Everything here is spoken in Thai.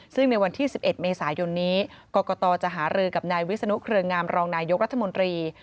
ซึ่งในวันที่๑๑เมษายนนี้กรกตจะหารือกับนายวิศนุเครืองามรองนายกรัฐมนตรี